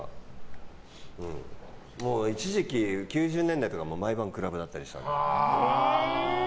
一時期、９０年代とかは毎晩クラブだったりしたので。